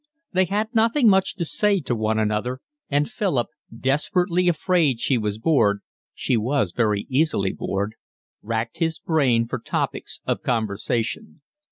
They had nothing much to say to one another, and Philip, desperately afraid she was bored (she was very easily bored), racked his brain for topics of conversation.